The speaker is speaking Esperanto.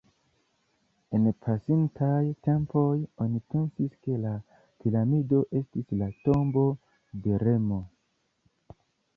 En pasintaj tempoj oni pensis ke la piramido estis la tombo de Remo.